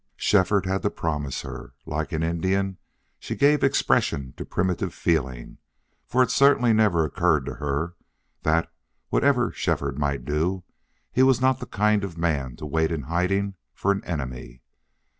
Shefford had to promise her. Like an Indian she gave expression to primitive feeling, for it certainly never occurred to her that, whatever Shefford might do, he was not the kind of man to wait in hiding for an enemy.